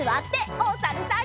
おさるさん。